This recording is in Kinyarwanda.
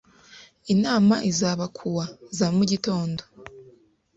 Inama izaba kuwa za mugitondo